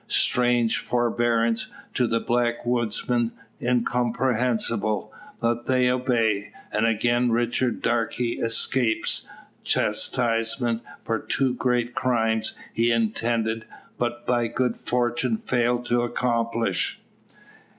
Strange forbearance; to the backwoodsmen, incomprehensible! But they obey; and again Richard Darke escapes chastisement for two great crimes he intended, but by good fortune failed to accomplish.